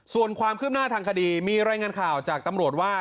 ส่วนความคืบหน้าทางคดีมีรายงานข่าวจากตำรวจว่า